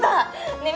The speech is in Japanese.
ねえ